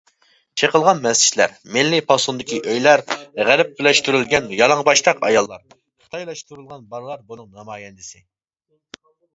چېقىلغان مەسچىتلەر، مىللىي پاسوندىكى ئۆيلەر، غەربلەشتۈرۈلگەن يالاڭباشتاق ئاياللار، خىتايلاشتۇرۇلغان بالىلار بۇنىڭ نامايەندىسى.